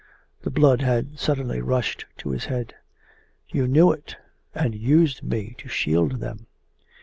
The blood had suddenly rushed to his head. 'You knew it, and used me to shield them!